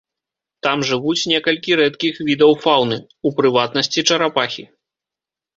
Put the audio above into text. Там жывуць некалькі рэдкіх відаў фаўны, у прыватнасці чарапахі.